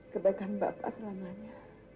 kebaikan bapak selamanya